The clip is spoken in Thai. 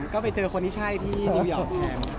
ก็ไปเจอคนที่ใช่ที่นิวยอร์กแทน